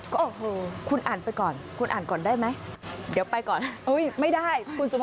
ก็โอ้โหคุณอ่านไปก่อนคุณอ่านก่อนได้ไหม